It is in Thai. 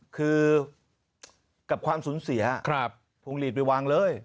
คือกับความสูญเสียพวงหลีดไปวางเลย